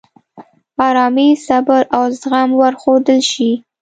آرامي، صبر، او زغم ور وښودل شي.